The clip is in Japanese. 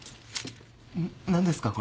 何ですか？